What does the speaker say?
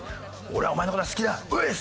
「俺もお前の事が好きだ」